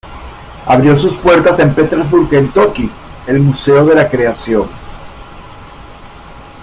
Abrió sus puertas en Petersburg, Kentucky, el Museo de la Creación.